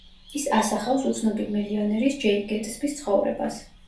ის ასახავს უცნობი მილიონერის, ჯეი გეტსბის ცხოვრებას.